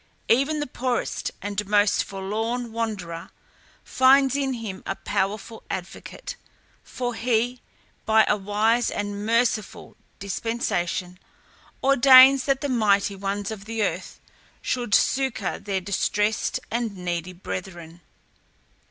Even the poorest and most forlorn wanderer finds in him a powerful advocate, for he, by a wise and merciful dispensation, ordains that the mighty ones of the earth should succour their distressed and needy brethren.